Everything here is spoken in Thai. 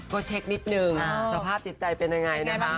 ก็เช็คนิดนึงสภาพจิตใจเป็นยังไงนะคะ